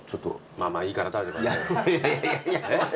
まあまあいいから食べてください。